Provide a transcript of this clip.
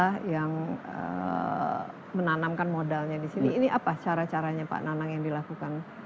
jadi ini ada yang menanamkan modalnya disini ini apa cara caranya pak nanang yang dilakukan